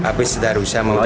hampir sedah rusak